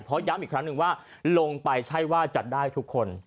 เพราะย้ำอีกครั้งหนึ่งว่าลงไปใช่ว่าจัดได้ทุกคน